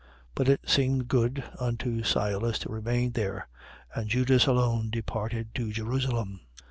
15:34. But it seemed good unto Silas to remain there: and Judas alone departed to Jerusalem.